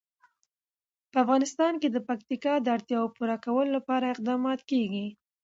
په افغانستان کې د پکتیکا د اړتیاوو پوره کولو لپاره اقدامات کېږي.